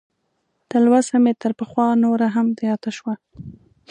تلوسه مې تر پخوا نوره هم زیاته شوه.